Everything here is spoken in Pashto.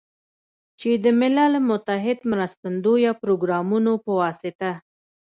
چې د ملل متحد مرستندویه پروګرامونو په واسطه